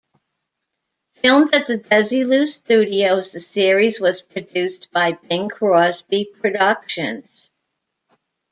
Filmed at the Desilu Studios, the series was produced by Bing Crosby Productions.